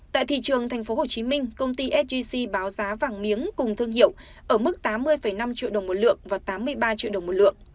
tại thị trường tp hcm công ty sdc báo giá vàng miếng cùng thương hiệu ở mức tám mươi năm triệu đồng một lượng và tám mươi ba triệu đồng một lượng